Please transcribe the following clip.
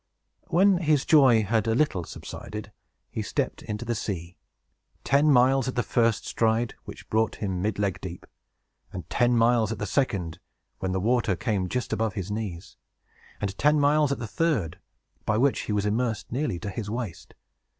When his joy had a little subsided, he stepped into the sea; ten miles at the first stride, which brought him midleg deep; and ten miles at the second, when the water came just above his knees; and ten miles more at the third, by which he was immersed nearly to his waist.